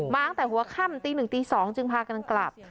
มาอ้างแต่หัวค่ำตีหนึ่งตีสองจึงพากันกลับ